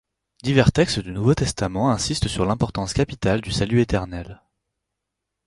Divers textes du Nouveau Testament insistent sur l'importance capitale du salut éternel.